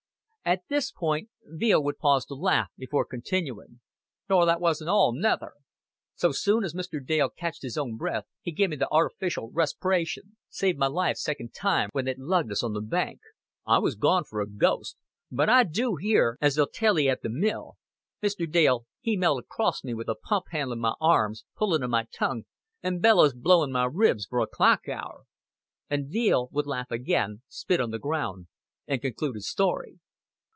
At this point Veale would pause to laugh, before continuing. "Nor that wasn't all, nether. So soon as Mr. Dale catched his own breath he give me th' artificial respreation saved my life second time when they'd lugged us on the bank. I was gone for a ghost; but I do hear as they'll tell 'ee at th' mill Mr. Dale he knelt acrost me a pump handling my arms, pulling of my tongue, and bellows blowing my ribs for a clock hour;" and Veale would laugh again, spit on the ground, and conclude his story.